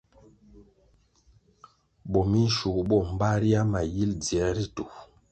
Bo minshugu bo mbaria ma yil dziē ritu.